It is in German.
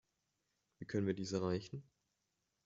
Wie können wir dies erreichen?